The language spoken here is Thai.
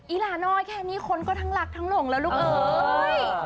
หลานน้อยแค่นี้คนก็ทั้งรักทั้งหลงแล้วลูกเอ้ย